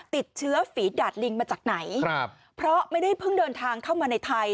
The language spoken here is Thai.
ติดเชื้อฝีดาดลิงมาจากไหนครับเพราะไม่ได้เพิ่งเดินทางเข้ามาในไทย